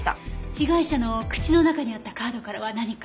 被害者の口の中にあったカードからは何か？